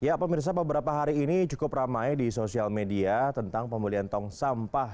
ya pemirsa beberapa hari ini cukup ramai di sosial media tentang pembelian tong sampah